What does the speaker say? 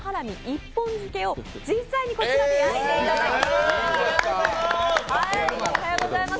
１本漬けを実際にこちらで焼いていただきます。